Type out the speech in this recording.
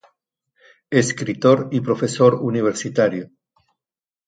Escritor y profesor universitario.